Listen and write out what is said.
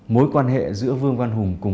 mối quan hệ giữa vương văn hùng